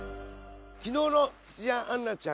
昨日の土屋アンナちゃん。